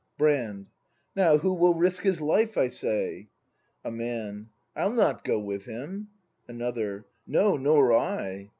Brand. Now, who will risk his life, I say ? A Man. I'll not go with him. Another. No, nor I.